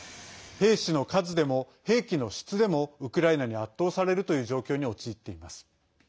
兵士の数でも兵器の質でもウクライナに圧倒されるという状況に陥っています。